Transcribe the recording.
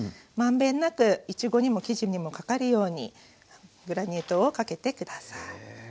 まんべんなくいちごにも生地にもかかるようにグラニュー糖をかけて下さい。